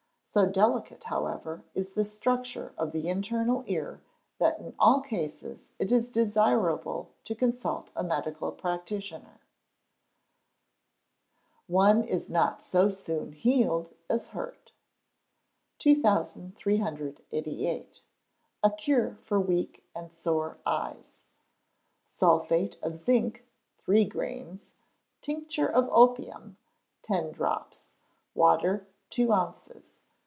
So delicate, however, is the structure of the internal ear that in all cases it is desirable to consult a medical practitioner. [ONE IS NOT SO SOON HEALED AS HURT.] 2388. A Cure for Weak and Sore Eyes. Sulphate of zinc, three grains; tincture of opium, ten drops; water, two ounces.